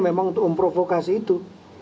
memang untuk memprovokasi itu